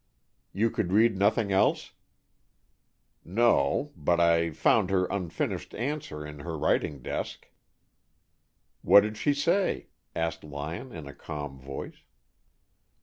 "You could read nothing else?" "No, but I, found her unfinished answer in her writing desk." "What did she say?" asked Lyon, in a calm voice.